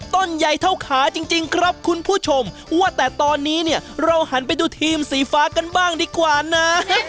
ต้นใหญ่เท่าขาจริงครับคุณผู้ชมว่าแต่ตอนนี้เนี่ยเราหันไปดูทีมสีฟ้ากันบ้างดีกว่านะ